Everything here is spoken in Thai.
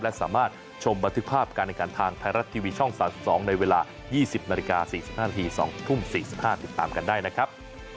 และสามารถชมบันทึกภาพการแข่งขันทางไทยรัฐทีวีช่อง๓๒ในเวลา๒๐นาฬิกา๔๕นาที๒ทุ่ม๔๕ติดตามกันได้นะครับ